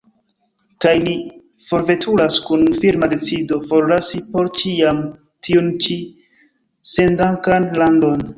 Kaj li forveturas, kun firma decido forlasi por ĉiam tiun ĉi sendankan landon.